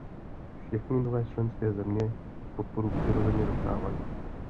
Všechny nové členské země podporu přirozeně dostávají.